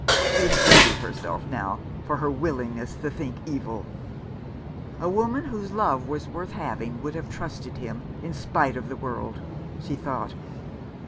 She hated herself now for her willingness to think evil. "A woman whose love was worth having would have trusted him in spite of the world," she thought.